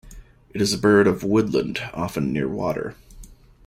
It is a bird of woodland, often near water.